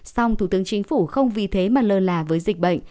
song thủ tướng chính phủ không vì thế mà lơ là với dịch bệnh